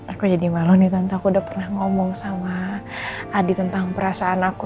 aku jadi malon nih tanpa aku udah pernah ngomong sama adi tentang perasaan aku